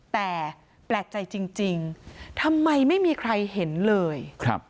แต่แปลกใจจริงทำไมไม่มีใครเห็นเลย